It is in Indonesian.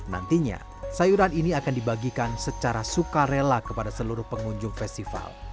nantinya sayuran ini akan dibagikan secara sukarela kepada seluruh pengunjung festival